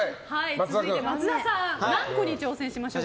続いて、松田さん何個に挑戦しましょうか。